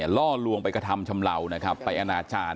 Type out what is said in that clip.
ล่อลวงไปกระทำชำเลานะครับไปอนาจารย์